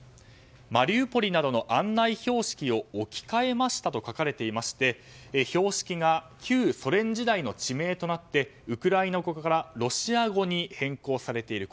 マリウポリなどの案内標識を置き換えましたと書かれており標識が旧ソ連時代の地名となってウクライナ語からロシア語に変更されている。